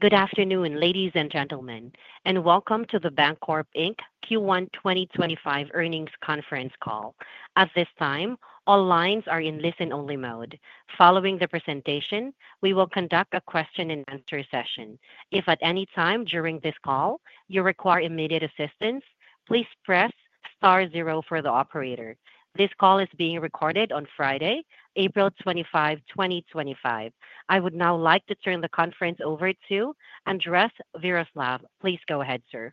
Good afternoon, ladies and gentlemen, and welcome to The Bancorp Inc. Q1 2025 Earnings Conference Call. At this time, all lines are in listen-only mode. Following the presentation, we will conduct a question-and-answer session. If at any time during this call you require immediate assistance, please press star zero for the operator. This call is being recorded on Friday, April 25, 2025. I would now like to turn the conference over to Andres Viroslav. Please go ahead, sir.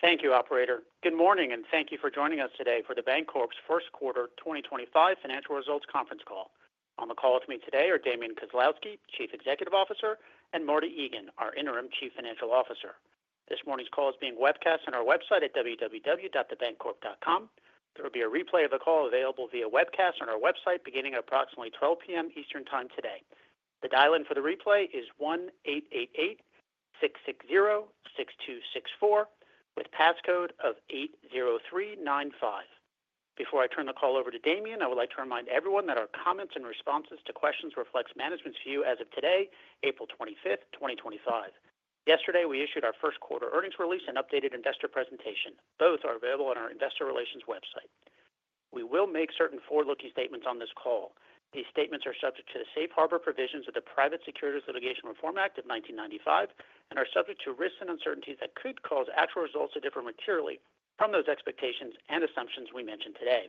Thank you, Operator. Good morning, and thank you for joining us today for The Bancorp's First Quarter 2025 Financial Results Conference Call. On the call with me today are Damian Kozlowski, Chief Executive Officer, and Marty Egan, our Interim Chief Financial Officer. This morning's call is being webcast on our website at www.thebancorp.com. There will be a replay of the call available via webcast on our website beginning at approximately 12:00 P.M. Eastern Time today. The dial-in for the replay is 1-888-660-6264 with passcode of 80395. Before I turn the call over to Damian, I would like to remind everyone that our comments and responses to questions reflect management's view as of today, April 25, 2025. Yesterday, we issued our first quarter earnings release and updated investor presentation. Both are available on our investor relations website. We will make certain forward-looking statements on this call. These statements are subject to the Safe Harbor provisions of the Private Securities Litigation Reform Act of 1995 and are subject to risks and uncertainties that could cause actual results to differ materially from those expectations and assumptions we mentioned today.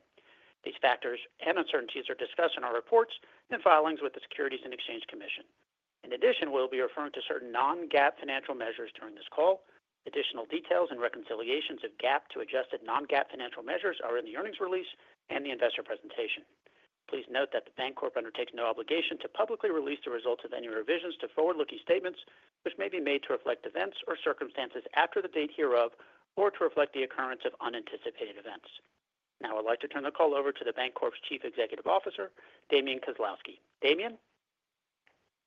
These factors and uncertainties are discussed in our reports and filings with the Securities and Exchange Commission. In addition, we'll be referring to certain non-GAAP financial measures during this call. Additional details and reconciliations of GAAP to adjusted non-GAAP financial measures are in the earnings release and the investor presentation. Please note that The Bancorp undertakes no obligation to publicly release the results of any revisions to forward-looking statements, which may be made to reflect events or circumstances after the date hereof or to reflect the occurrence of unanticipated events. Now, I'd like to turn the call over to The Bancorp's Chief Executive Officer, Damian Kozlowski. Damian?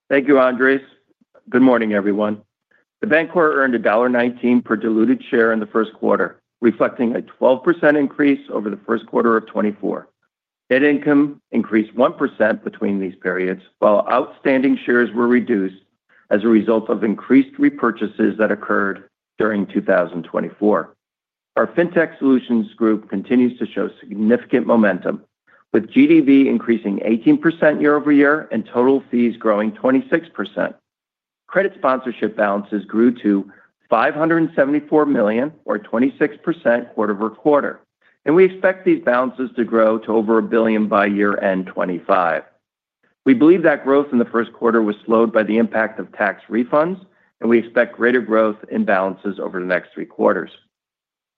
Thank you, Andres. Good morning, everyone. The Bancorp earned $1.19 per diluted share in the first quarter, reflecting a 12% increase over the first quarter of 2024. Net income increased 1% between these periods while outstanding shares were reduced as a result of increased repurchases that occurred during 2024. Our Fintech Solutions group continues to show significant momentum, with GDV increasing 18% year-over-year and total fees growing 26%. Credit sponsorship balances grew to $574 million, or 26% quarter-over-quarter, and we expect these balances to grow to over $1 billion by year-end 2025. We believe that growth in the first quarter was slowed by the impact of tax refunds, and we expect greater growth in balances over the next three quarters.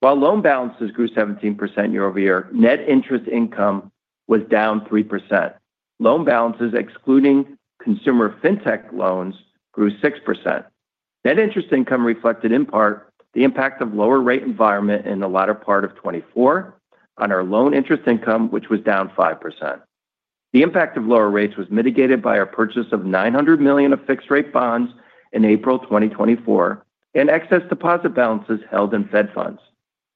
While loan balances grew 17% year over year, net interest income was down 3%. Loan balances excluding consumer Fintech loans grew 6%. Net interest income reflected in part the impact of lower rate environment in the latter part of 2024 on our loan interest income, which was down 5%. The impact of lower rates was mitigated by our purchase of $900 million of fixed-rate bonds in April 2024 and excess deposit balances held in Fed funds.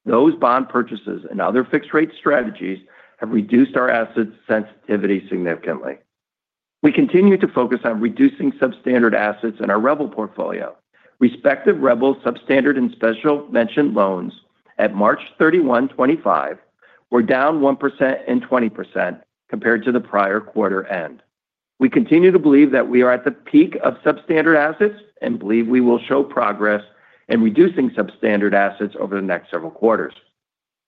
Those bond purchases and other fixed-rate strategies have reduced our asset sensitivity significantly. We continue to focus on reducing substandard assets in our REBL portfolio. Respective REBL substandard and Special Mention loans at March 31, 2025 were down 1% and 20% compared to the prior quarter end. We continue to believe that we are at the peak of substandard assets and believe we will show progress in reducing substandard assets over the next several quarters.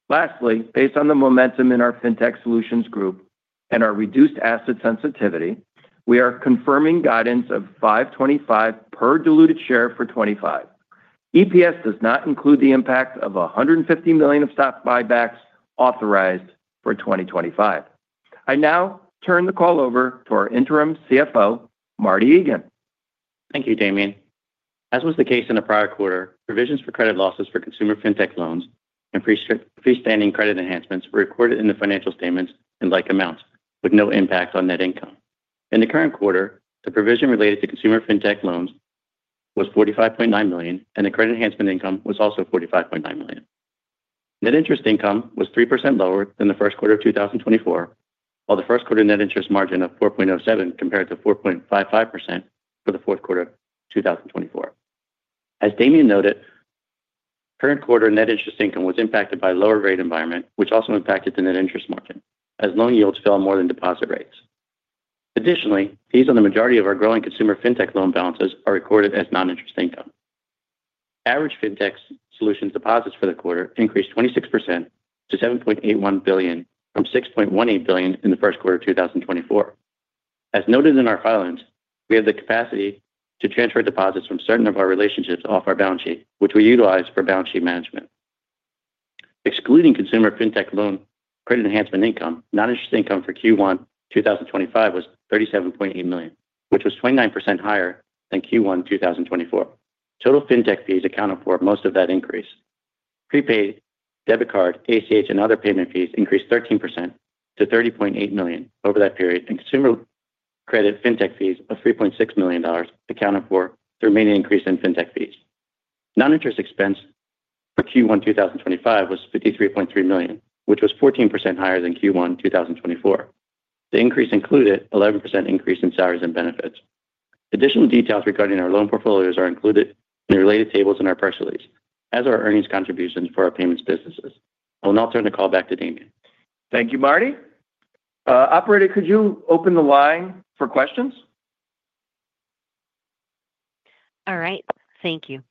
Lastly, based on the momentum in our Fintech solutions group and our reduced asset sensitivity, we are confirming guidance of $5.25 per diluted share for 2025. EPS does not include the impact of $150 million of stock buybacks authorized for 2025. I now turn the call over to our Interim CFO, Marty Egan. Thank you, Damian. As was the case in the prior quarter, provisions for credit losses for consumer Fintech loans and freestanding credit enhancements were recorded in the financial statements in like amounts with no impact on net income. In the current quarter, the provision related to consumer Fintech loans was $45.9 million, and the credit enhancement income was also $45.9 million. Net interest income was 3% lower than the first quarter of 2024, while the first quarter net interest margin of 4.07% compared to 4.55% for the fourth quarter of 2024. As Damian noted, current quarter net interest income was impacted by a lower rate environment, which also impacted the net interest margin as loan yields fell more than deposit rates. Additionally, fees on the majority of our growing consumer Fintech loan balances are recorded as non-interest income. Average Fintech solutions deposits for the quarter increased 26% to $7.81 billion from $6.18 billion in the first quarter of 2024. As noted in our filings, we have the capacity to transfer deposits from certain of our relationships off our balance sheet, which we utilize for balance sheet management. Excluding consumer Fintech loan credit enhancement income, non-interest income for Q1 2025 was $37.8 million, which was 29% higher than Q1 2024. Total Fintech fees accounted for most of that increase. Prepaid debit card, ACH, and other payment fees increased 13% to $30.8 million over that period, and consumer credit Fintech fees of $3.6 million accounted for the remaining increase in Fintech fees. Non-interest expense for Q1 2025 was $53.3 million, which was 14% higher than Q1 2024. The increase included an 11% increase in salaries and benefits. Additional details regarding our loan portfolios are included in the related tables in our press release as are our earnings contributions for our payments businesses. I will now turn the call back to Damian. Thank you, Marty. Operator, could you open the line for questions? All right. Thank you.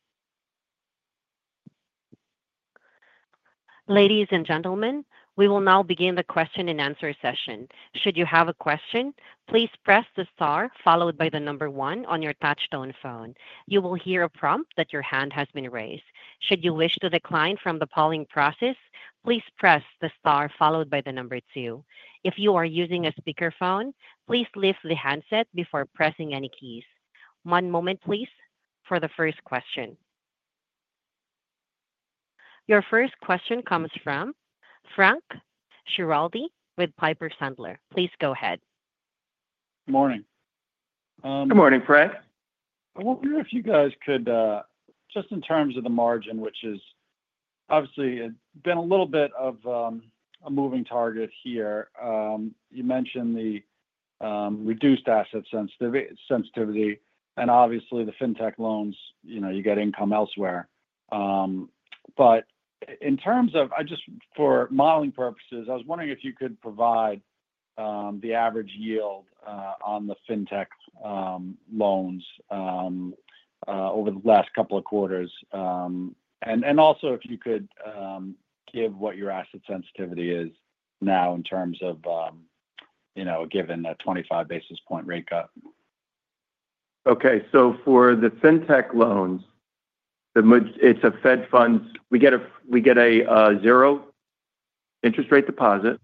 Ladies and gentlemen, we will now begin the question-and-answer session. Should you have a question, please press the star followed by the number one on your touch-tone phone. You will hear a prompt that your hand has been raised. Should you wish to decline from the polling process, please press the star followed by the number two. If you are using a speakerphone, please lift the handset before pressing any keys. One moment, please, for the first question. Your first question comes from Frank Schiraldi with Piper Sandler. Please go ahead. Good morning. Good morning, Frank. I wonder if you guys could, just in terms of the margin, which has obviously been a little bit of a moving target here. You mentioned the reduced asset sensitivity, and obviously the Fintech loans, you get income elsewhere. In terms of, just for modeling purposes, I was wondering if you could provide the average yield on the Fintech loans over the last couple of quarters. Also, if you could give what your asset sensitivity is now in terms of given a 25 basis point rate cut. Okay. For the Fintech loans, it's a Fed funds. We get a zero interest rate deposit,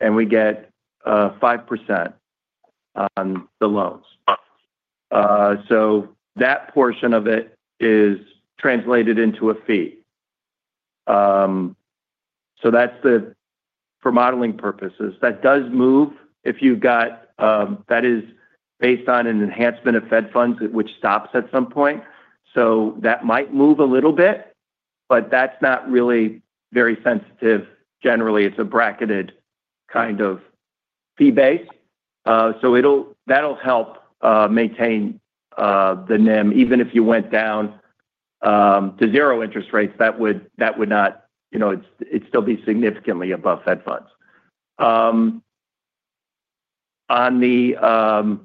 and we get 5% on the loans. That portion of it is translated into a fee. For modeling purposes, that does move if you've got, that is based on an enhancement of Fed funds, which stops at some point. That might move a little bit, but that's not really very sensitive. Generally, it's a bracketed kind of fee base. That'll help maintain the NIM. Even if you went down to zero interest rates, that would not, it'd still be significantly above Fed funds. On the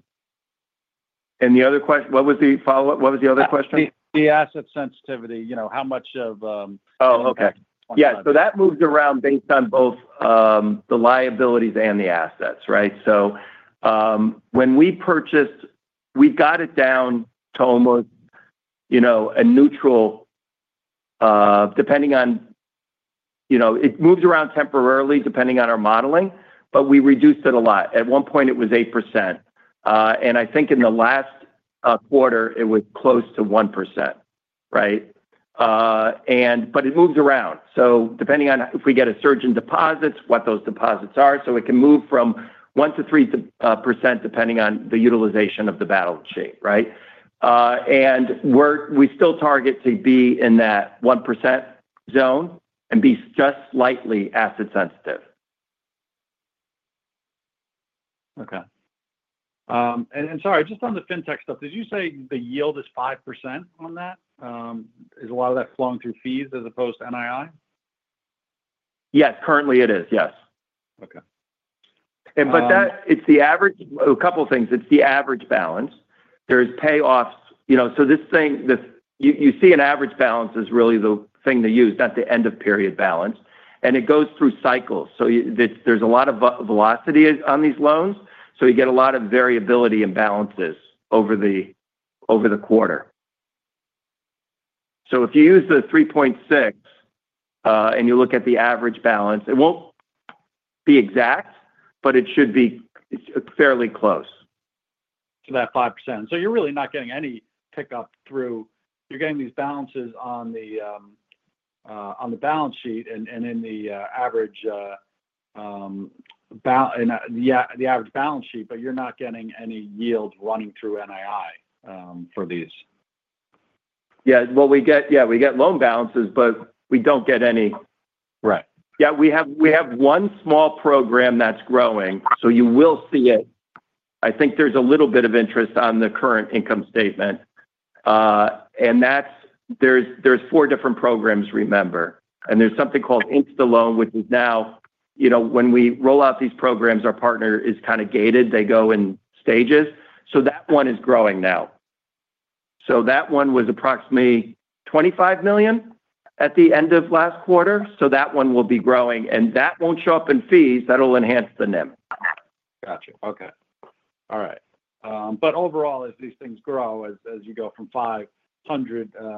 and the other question, what was the follow-up? What was the other question? The asset sensitivity, how much of. Oh, okay. Yeah. That moves around based on both the liabilities and the assets, right? When we purchased, we got it down to almost a neutral, depending on, it moves around temporarily depending on our modeling, but we reduced it a lot. At one point, it was 8%. I think in the last quarter, it was close to 1%, right? It moves around. Depending on if we get a surge in deposits, what those deposits are. It can move from 1-3% depending on the utilization of the balance sheet, right? We still target to be in that 1% zone and be just slightly asset sensitive. Okay. Sorry, just on the Fintech stuff, did you say the yield is 5% on that? Is a lot of that flowing through fees as opposed to NII? Yes. Currently, it is, yes. Okay. It is the average, a couple of things. It is the average balance. There are payoffs. This thing, you see an average balance is really the thing they use, not the end-of-period balance. It goes through cycles. There is a lot of velocity on these loans. You get a lot of variability in balances over the quarter. If you use the 3.6 and you look at the average balance, it will not be exact, but it should be fairly close. To that 5%. You are really not getting any pickup through, you are getting these balances on the balance sheet and in the average balance sheet, but you are not getting any yield running through NII for these. Yeah. Yeah, we get loan balances, but we don't get any. Right. Yeah. We have one small program that's growing, so you will see it. I think there's a little bit of interest on the current income statement. There are four different programs, remember. There's something called InstaLoan, which is now, when we roll out these programs, our partner is kind of gated. They go in stages. That one is growing now. That one was approximately $25 million at the end of last quarter. That one will be growing. That won't show up in fees. That'll enhance the NIM. Gotcha. Okay. All right. Overall, as these things grow, as you go from $500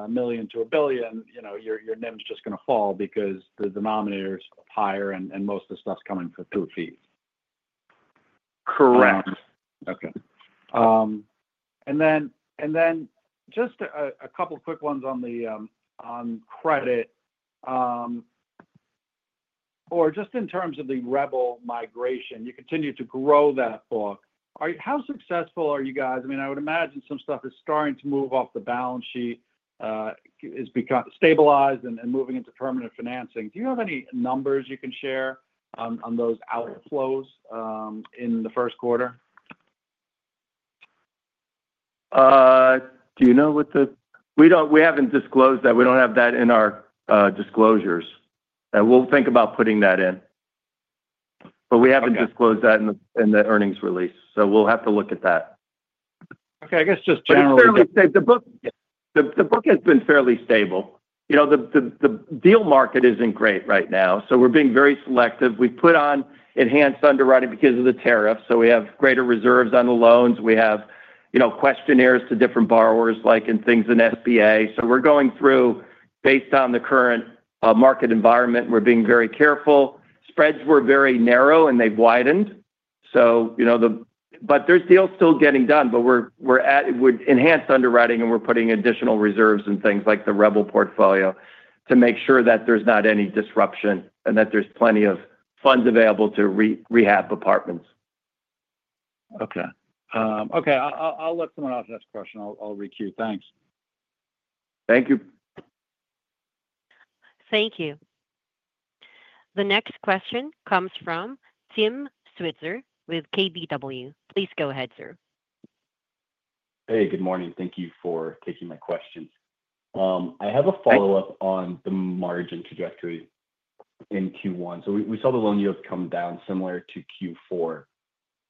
million to $1 billion, your NIM's just going to fall because the denominators are higher and most of the stuff's coming through fees. Correct. Okay. Just a couple of quick ones on credit, or just in terms of the REBL migration, you continue to grow that book. How successful are you guys? I mean, I would imagine some stuff is starting to move off the balance sheet, is stabilized and moving into permanent financing. Do you have any numbers you can share on those outflows in the first quarter? Do you know what the. We haven't disclosed that. We don't have that in our disclosures. We'll think about putting that in. We haven't disclosed that in the earnings release. We'll have to look at that. Okay. I guess just generally. It's fairly stable. The book has been fairly stable. The deal market isn't great right now. We're being very selective. We've put on enhanced underwriting because of the tariffs. We have greater reserves on the loans. We have questionnaires to different borrowers and things in SBA. We're going through based on the current market environment. We're being very careful. Spreads were very narrow, and they've widened. There are deals still getting done. We're enhanced underwriting, and we're putting additional reserves in things like the REBL portfolio to make sure that there's not any disruption and that there's plenty of funds available to rehab apartments. Okay. Okay. I'll let someone else ask a question. I'll re-queue. Thanks. Thank you. Thank you. The next question comes from Tim Switzer with KBW. Please go ahead, sir. Hey, good morning. Thank you for taking my questions. I have a follow-up on the margin trajectory in Q1. We saw the loan yields come down similar to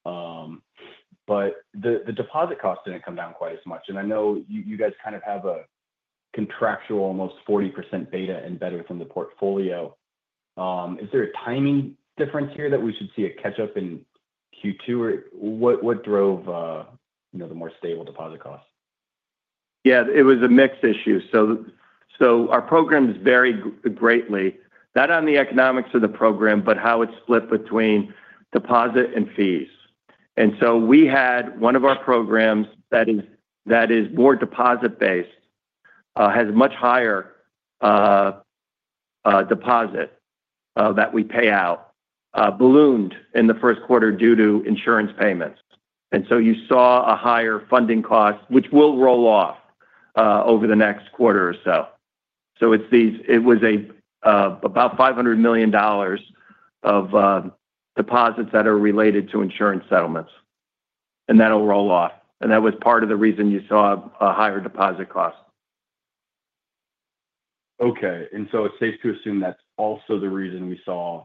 Q4. The deposit cost did not come down quite as much. I know you guys kind of have a contractual almost 40% beta embedded from the portfolio. Is there a timing difference here that we should see a catch-up in Q2? What drove the more stable deposit cost? Yeah. It was a mixed issue. Our programs varied greatly, not on the economics of the program, but how it's split between deposit and fees. We had one of our programs that is more deposit-based, has a much higher deposit that we pay out, ballooned in the first quarter due to insurance payments. You saw a higher funding cost, which will roll off over the next quarter or so. It was about $500 million of deposits that are related to insurance settlements. That will roll off. That was part of the reason you saw a higher deposit cost. Okay. And so it's safe to assume that's also the reason we saw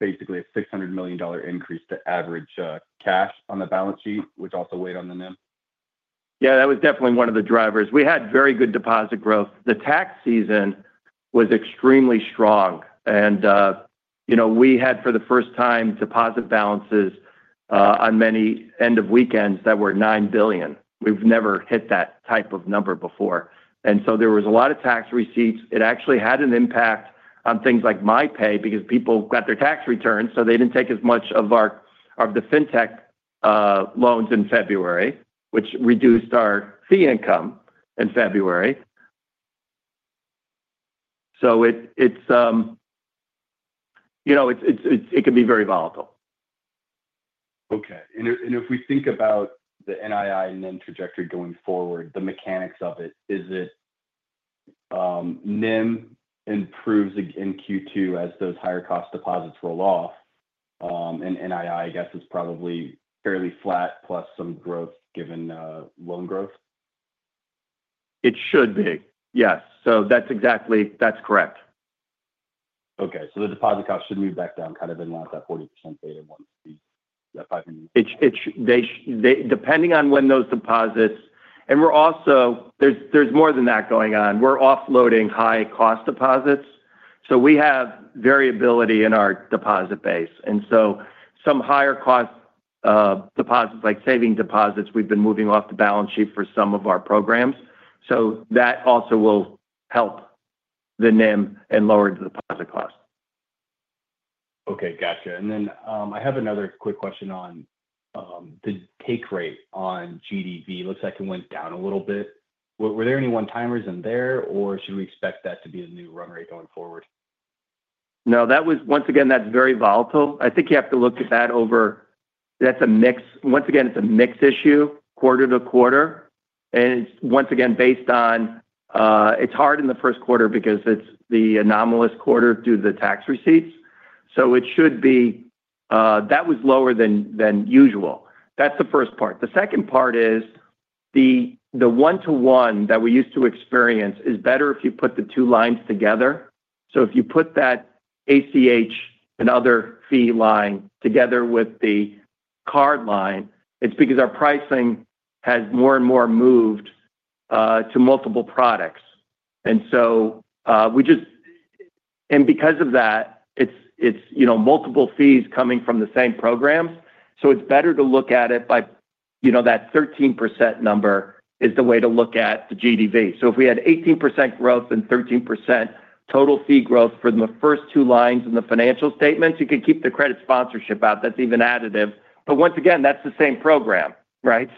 basically a $600 million increase to average cash on the balance sheet, which also weighed on the NIM? Yeah. That was definitely one of the drivers. We had very good deposit growth. The tax season was extremely strong. We had, for the first time, deposit balances on many end-of-weekends that were $9 billion. We've never hit that type of number before. There was a lot of tax receipts. It actually had an impact on things like MyPay because people got their tax returns, so they did not take as much of the Fintech loans in February, which reduced our fee income in February. It can be very volatile. Okay. If we think about the NII and NIM trajectory going forward, the mechanics of it, is it NIM improves in Q2 as those higher cost deposits roll off? NII, I guess, is probably fairly flat plus some growth given loan growth? It should be. Yes. That's exactly correct. Okay. The deposit cost should move back down kind of in line with that 40% beta once the $500 million? Depending on when those deposits—and there is more than that going on. We are offloading high-cost deposits. We have variability in our deposit base. Some higher-cost deposits, like saving deposits, we have been moving off the balance sheet for some of our programs. That also will help the NIM and lower the deposit cost. Gotcha. I have another quick question on the take rate on GDV. It looks like it went down a little bit. Were there any one-timers in there, or should we expect that to be a new run rate going forward? No. Once again, that's very volatile. I think you have to look at that over—that's a mixed—once again, it's a mixed issue, quarter-to-quarter. It's, once again, based on—it's hard in the first quarter because it's the anomalous quarter due to the tax receipts. It should be—that was lower than usual. That's the first part. The second part is the one-to-one that we used to experience is better if you put the two lines together. If you put that ACH and other fee line together with the card line, it's because our pricing has more and more moved to multiple products. Because of that, it's multiple fees coming from the same programs. It's better to look at it by that 13% number is the way to look at the GDV. If we had 18% growth and 13% total fee growth for the first two lines in the financial statements, you could keep the credit sponsorship out. That's even additive. Once again, that's the same program, right?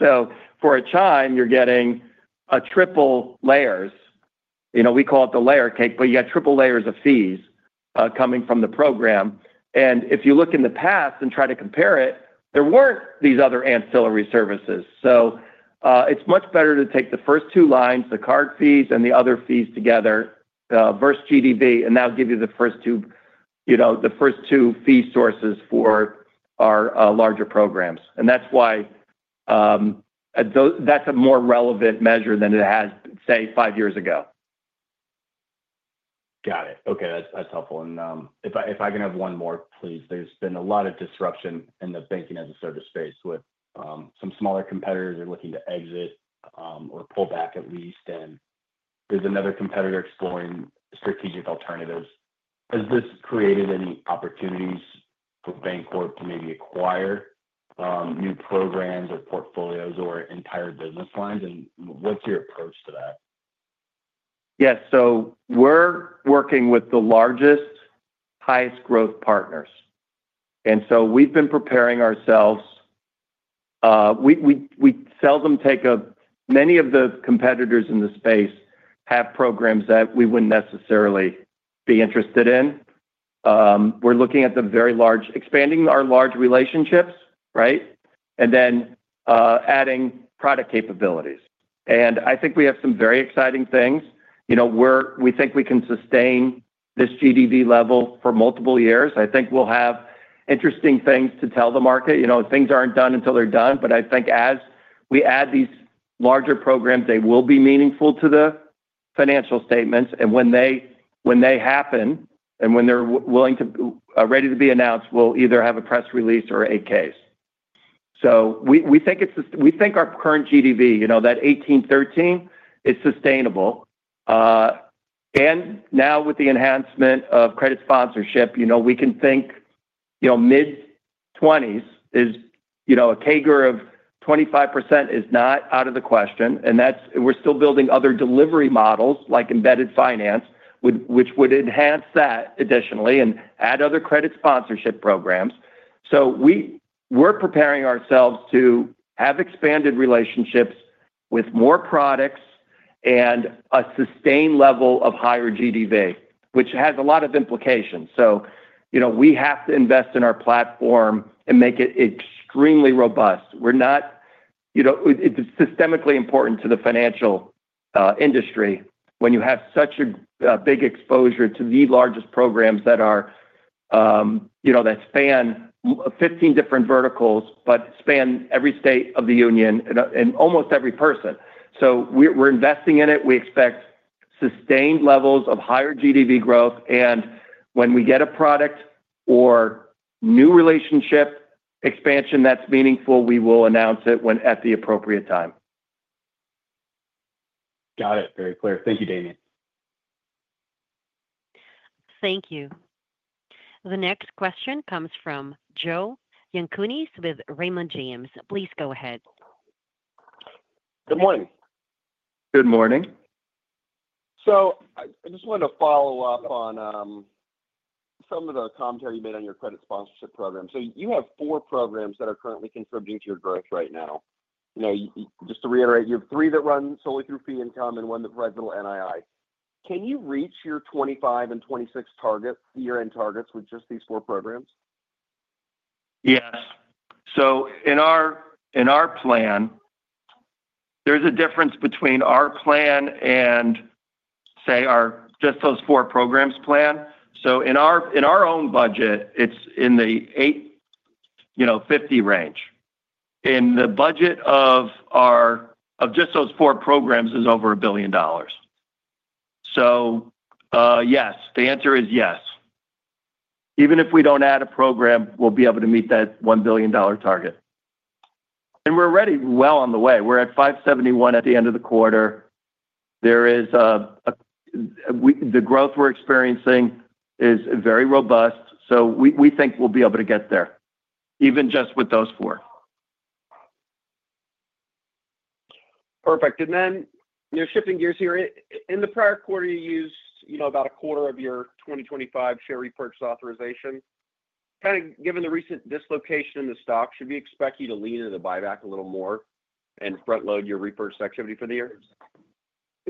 For a Chime, you're getting triple layers. We call it the layer cake, but you got triple layers of fees coming from the program. If you look in the past and try to compare it, there weren't these other ancillary services. It's much better to take the first two lines, the card fees and the other fees together versus GDV, and that'll give you the first two fee sources for our larger programs. That's why that's a more relevant measure than it has say five years ago. Got it. Okay. That's helpful. If I can have one more, please. There's been a lot of disruption in the banking as a service space with some smaller competitors that are looking to exit or pull back at least. There's another competitor exploring strategic alternatives. Has this created any opportunities for Bancorp to maybe acquire new programs or portfolios or entire business lines? What's your approach to that? Yes. We're working with the largest, highest-growth partners. We've been preparing ourselves. We seldom take a—many of the competitors in the space have programs that we wouldn't necessarily be interested in. We're looking at the very large, expanding our large relationships, right? Adding product capabilities. I think we have some very exciting things. We think we can sustain this GDV level for multiple years. I think we'll have interesting things to tell the market. Things aren't done until they're done. I think as we add these larger programs, they will be meaningful to the financial statements. When they happen and when they're ready to be announced, we'll either have a press release or a case. We think our current GDV, that 18, 13, is sustainable. With the enhancement of credit sponsorship, we can think mid-20s is a CAGR of 25% is not out of the question. We are still building other delivery models like embedded finance, which would enhance that additionally and add other credit sponsorship programs. We are preparing ourselves to have expanded relationships with more products and a sustained level of higher GDV, which has a lot of implications. We have to invest in our platform and make it extremely robust. It is systemically important to the financial industry when you have such a big exposure to the largest programs that span 15 different verticals, but span every state of the union and almost every person. We are investing in it. We expect sustained levels of higher GDV growth. When we get a product or new relationship expansion that's meaningful, we will announce it at the appropriate time. Got it. Very clear. Thank you, Damian. Thank you. The next question comes from Joe Yanchunis with Raymond James. Please go ahead. Good morning. Good morning. I just wanted to follow up on some of the commentary you made on your credit sponsorship program. You have four programs that are currently contributing to your growth right now. Just to reiterate, you have three that run solely through fee income and one that provides little NII. Can you reach your 2025 and 2026 year-end targets with just these four programs? Yes. In our plan, there's a difference between our plan and, say, just those four programs plan. In our own budget, it's in the eight, you know, 50 range. The budget of just those four programs is over $1 billion. Yes, the answer is yes. Even if we don't add a program, we'll be able to meet that $1 billion target. We're already well on the way. We're at $571 million at the end of the quarter. The growth we're experiencing is very robust. We think we'll be able to get there even just with those four. Perfect. Then shifting gears here, in the prior quarter, you used about a quarter of your 2025 share repurchase authorization. Kind of given the recent dislocation in the stock, should we expect you to lean into the buyback a little more and front-load your repurchase activity for the year?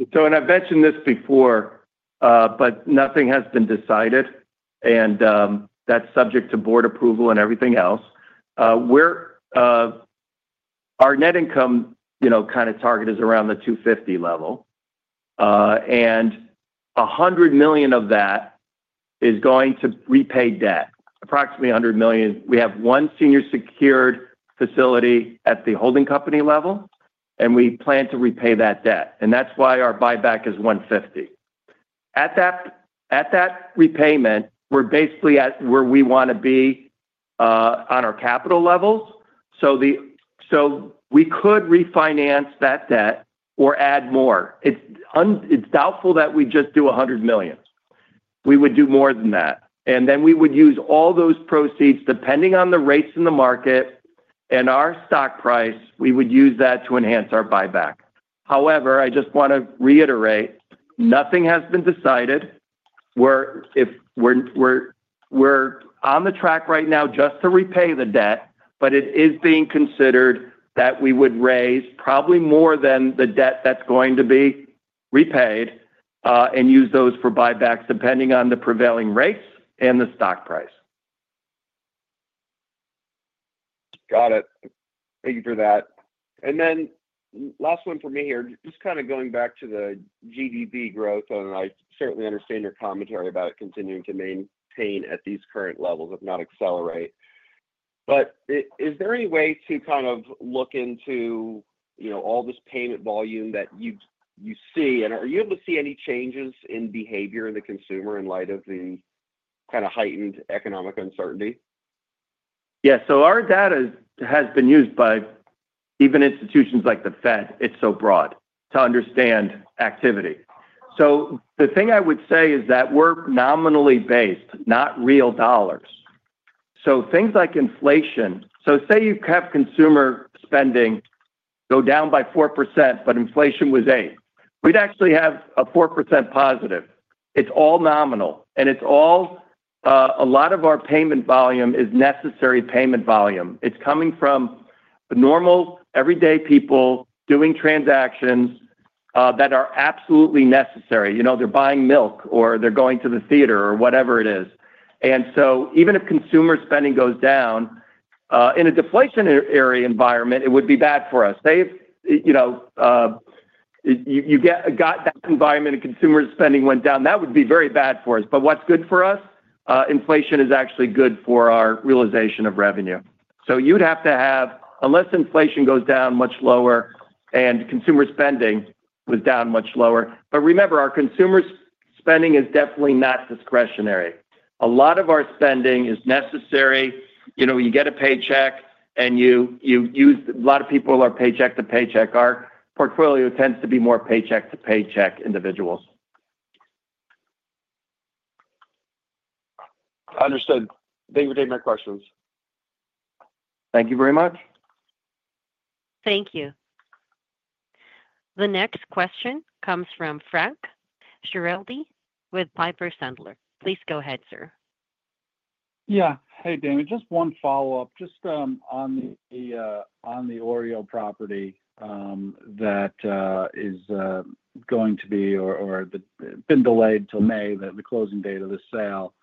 I've mentioned this before, but nothing has been decided. That is subject to board approval and everything else. Our net income kind of target is around the $250 million level. $100 million of that is going to repay debt. Approximately $100 million. We have one senior-secured facility at the holding company level, and we plan to repay that debt. That is why our buyback is $150 million. At that repayment, we're basically at where we want to be on our capital levels. We could refinance that debt or add more. It's doubtful that we just do $100 million. We would do more than that. We would use all those proceeds, depending on the rates in the market and our stock price, to enhance our buyback. However, I just want to reiterate, nothing has been decided. We're on the track right now just to repay the debt, but it is being considered that we would raise probably more than the debt that's going to be repaid and use those for buybacks, depending on the prevailing rates and the stock price. Got it. Thank you for that. Last one for me here, just kind of going back to the GDV growth. I certainly understand your commentary about it continuing to maintain at these current levels, if not accelerate. Is there any way to kind of look into all this payment volume that you see? Are you able to see any changes in behavior in the consumer in light of the kind of heightened economic uncertainty? Yeah. Our data has been used by even institutions like the Fed. It's so broad to understand activity. The thing I would say is that we're nominally based, not real dollars. Things like inflation—say you have consumer spending go down by 4%, but inflation was 8%. We'd actually have a 4% positive. It's all nominal. A lot of our payment volume is necessary payment volume. It's coming from normal, everyday people doing transactions that are absolutely necessary. They're buying milk or they're going to the theater or whatever it is. Even if consumer spending goes down in a deflationary environment, it would be bad for us. You got that environment and consumer spending went down. That would be very bad for us. What's good for us? Inflation is actually good for our realization of revenue. You'd have to have unless inflation goes down much lower and consumer spending was down much lower. Remember, our consumer spending is definitely not discretionary. A lot of our spending is necessary. You get a paycheck, and a lot of people are paycheck to paycheck. Our portfolio tends to be more paycheck to paycheck individuals. Understood. Thank you for taking my questions. Thank you very much. Thank you. The next question comes from Frank Schiraldi with Piper Sandler. Please go ahead, sir. Yeah. Hey, Damian. Just one follow-up. Just on the OREO property that is going to be or been delayed till May, the closing date of the sale.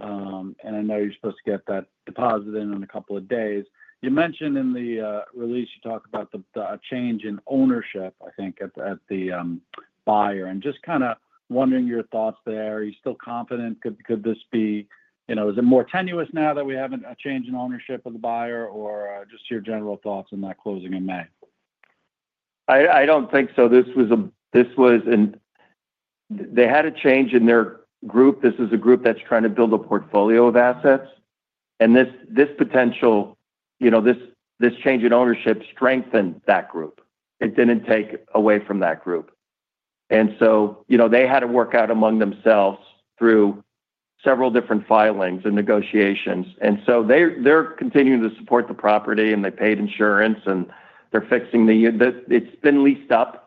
I know you're supposed to get that deposit in in a couple of days. You mentioned in the release, you talked about a change in ownership, I think, at the buyer. Just kind of wondering your thoughts there. Are you still confident? Could this be—is it more tenuous now that we have a change in ownership of the buyer or just your general thoughts on that closing in May? I don't think so. This was an—they had a change in their group. This is a group that's trying to build a portfolio of assets. This potential, this change in ownership strengthened that group. It didn't take away from that group. They had to work out among themselves through several different filings and negotiations. They are continuing to support the property, and they paid insurance, and they're fixing the—it's been leased up.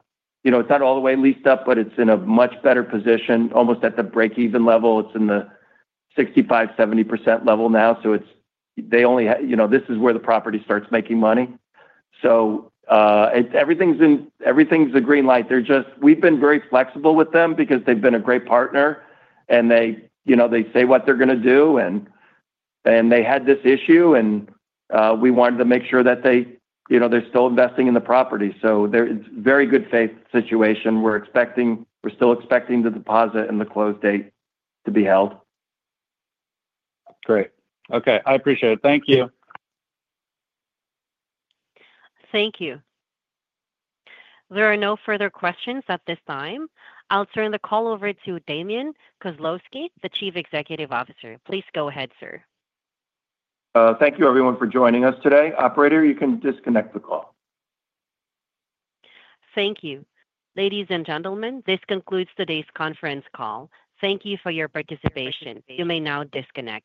It's not all the way leased up, but it's in a much better position, almost at the break-even level. It's in the 65-70% level now. They only—this is where the property starts making money. Everything's a green light. We've been very flexible with them because they've been a great partner, and they say what they're going to do. They had this issue, and we wanted to make sure that they're still investing in the property. It is a very good faith situation. We are still expecting the deposit and the close date to be held. Great. Okay. I appreciate it. Thank you. Thank you. There are no further questions at this time. I'll turn the call over to Damian Kozlowski, the Chief Executive Officer. Please go ahead, sir. Thank you, everyone for joining us today. Operator, you can disconnect the call. Thank you. Ladies and gentlemen, this concludes today's conference call. Thank you for your participation. You may now disconnect.